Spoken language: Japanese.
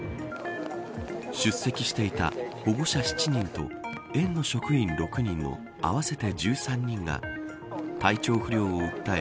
出席していた保護者７人と園の職員６人の合わせて１３人が体調不良を訴え